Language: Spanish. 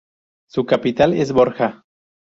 Su capital es Borja.